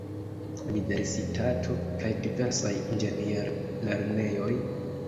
Universitato kaj diversaj inĝenier-lernejoj.